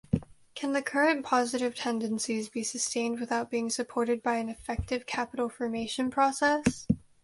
Can the current positive tendencies be sustained without being supported by an effective capital formation process?